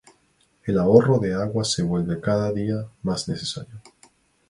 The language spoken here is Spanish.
El ahorro de agua se vuelve cada dia mas necesario